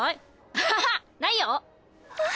アハハないよ！